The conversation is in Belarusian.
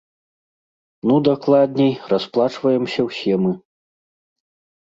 Ну, дакладней, расплачваемся ўсе мы.